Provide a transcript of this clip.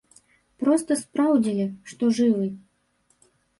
Проста спраўдзілі, што жывы.